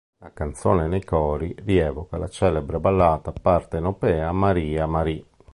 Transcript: La canzone nei cori rievoca la celebre ballata partenopea "Maria Mari".